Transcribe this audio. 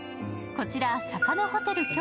こちら、坂のホテル